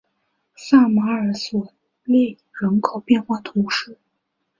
萨马尔索勒人口变化图示